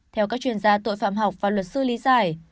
theo các chuyên gia tội phạm học và luật sư lý giải